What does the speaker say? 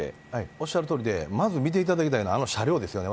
おっしゃるとおりで、まず見ていただきたいのはあの車両ですよね。